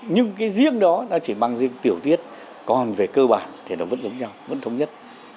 nhưng cái riêng đó nó chỉ mang riêng tiểu tiết còn về cơ bản thì nó vẫn giống nhau vẫn thống nhất